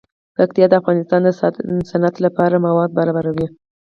پکتیکا د افغانستان د صنعت لپاره مواد برابروي.